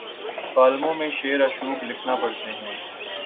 کالموں میں شہر آشوب لکھنا پڑتے ہیں۔